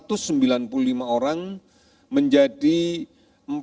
kasus sembuh meningkat satu ratus sembilan puluh lima orang menjadi empat tiga ratus dua puluh empat orang